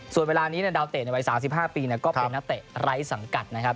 ส่วนเวลานี้ดาวเตะในวัย๓๕ปีก็เป็นนักเตะไร้สังกัดนะครับ